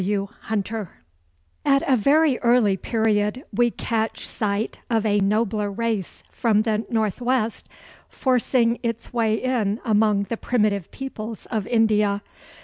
] W.W. HUNTER At a very early period we catch sight of a nobler race from the northwest, forcing its way in among the primitive peoples of India.